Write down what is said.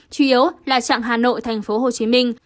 chủ yếu là trạng hà nội tp hcm